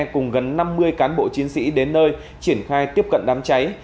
cùng gần năm mươi cán bộ chiến sĩ đến nơi triển khai tiếp cận đám cháy